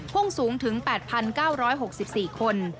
พุ่งสูงถึง๘๙๖๔คน